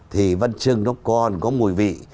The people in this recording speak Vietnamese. thì văn trương nó còn có mùi vị